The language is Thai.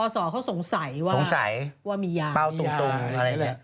อสเขาสงสัยว่ามียาเปราตุ้มอะไรอย่างนี้